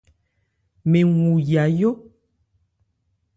Mɛn wu yayó.